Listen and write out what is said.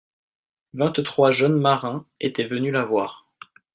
vingt trois jeunes marins étaient venus la voir.